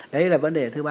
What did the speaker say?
đấy là vấn đề thứ ba